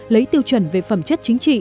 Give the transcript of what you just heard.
lấy tiêu chuẩn về phẩm chất chính trị